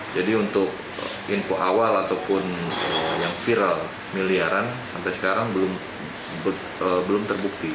jadi untuk info awal ataupun yang viral miliaran sampai sekarang belum terbukti